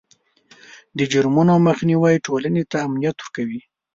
د جرمونو مخنیوی ټولنې ته امنیت ورکوي.